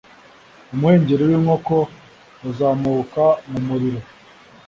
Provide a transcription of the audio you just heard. umuhengeri w'inkoko uzamuka mu muriro